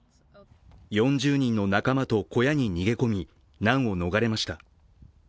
４０人の仲間と小屋に逃げ込み、難を逃れました。